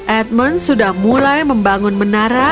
edmund sudah mulai membangun menduduk